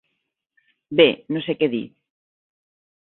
Bé... no sé què dir.